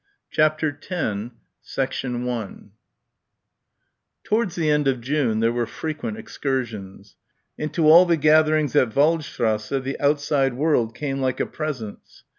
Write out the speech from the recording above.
CHAPTER X 1 Towards the end of June there were frequent excursions. Into all the gatherings at Waldstrasse the outside world came like a presence.